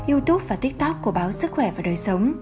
youtube và tiktok của báo sức khỏe và đời